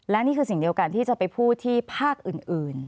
และนี่คือสิ่งเดียวกันที่จะไปพูดที่ภาคอื่น